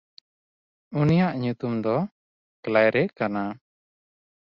ᱩᱱᱤᱭᱟᱜ ᱧᱩᱛᱩᱢ ᱫᱚ ᱠᱞᱟᱭᱨᱮ ᱠᱟᱱᱟ᱾